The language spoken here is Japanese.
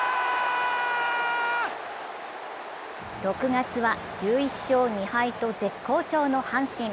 ６月は１１勝２敗と絶好調の阪神。